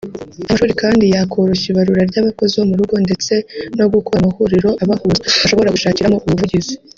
Aya mashuri kandi yakoroshya ibarura ry’abakozi bo mu rugo ndetse no gukora amahuriro abahuza bashobora gushakiramo ubuvugizi